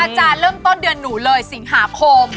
อาจารย์เริ่มต้นเดือนหนูเลยสิงหาคม